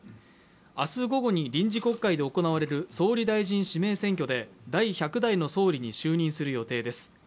明日午後に臨時国会で行われる総理大臣指名選挙で第１００代の総理に就任する予定です。